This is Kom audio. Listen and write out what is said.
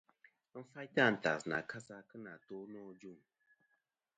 Ghɨ faytɨ àntas nɨ a kasa kɨ nà to nô ajuŋ.